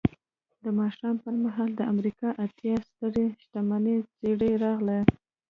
د ماښام پر مهال د امریکا اتیا سترې شتمنې څېرې راغلې